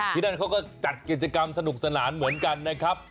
ที่นั่นเขาก็จัดกิจกรรมสนุกสนานเหมือนกันนะครับ